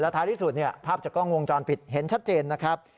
ท้ายที่สุดภาพจากกล้องวงจรปิดเห็นชัดเจนนะครับ